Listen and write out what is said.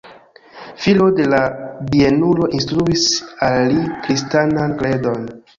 Filo de la bienulo instruis al li kristanan kredon.